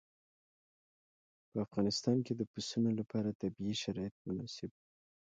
په افغانستان کې د پسونو لپاره طبیعي شرایط مناسب دي.